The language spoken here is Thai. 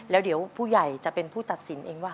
แล้วเดี๋ยวผู้ใหญ่จะเป็นผู้ตัดสินเองว่า